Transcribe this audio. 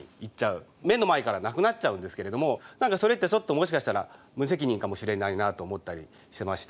目の前からなくなっちゃうんですけれども何かそれってちょっともしかしたら無責任かもしれないなと思ったりしてまして。